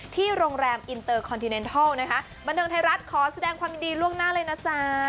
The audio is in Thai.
ที่โรงแรมอินเตอร์คอนทิเนนทัลนะคะบันเทิงไทยรัฐขอแสดงความยินดีล่วงหน้าเลยนะจ๊ะ